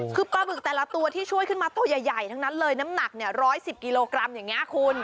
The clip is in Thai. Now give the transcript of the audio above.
คือปลาบึกแต่ละตัวที่ช่วยขึ้นมาตัวใหญ่ทั้งนั้นเลยน้ำหนัก๑๑๐กิโลกรัมอย่างนี้คุณ